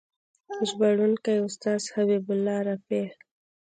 ژباړونکی: استاد حبیب الله رفیع